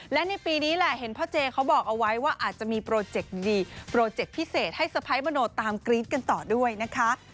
และในปีนี้แหละเห็นพ่อเจเขาบอกเอาไว้ว่าอาจจะมีโปรเจคดีโปรเจคพิเศษให้สะพ้ายมโนตามกรี๊ดกันต่อด้วยนะคะ